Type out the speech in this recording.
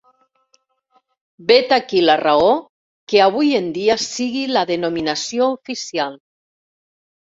Vet aquí la raó que avui en dia sigui la denominació oficial.